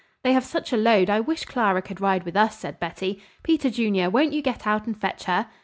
"They have such a load I wish Clara could ride with us," said Betty. "Peter Junior, won't you get out and fetch her?"